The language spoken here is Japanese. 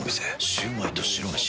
シュウマイと白めし。